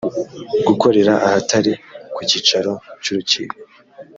gukorera ahatari ku cyicaro cy urukiko